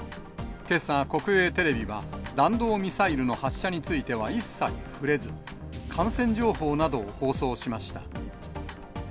けさ、国営テレビは、弾道ミサイルの発射については一切ふれず、感染情報などを放送しました。